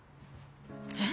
えっ！？